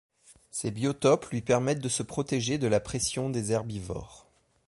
Ces biotopes lui permettent de se protéger de la pression des herbivores.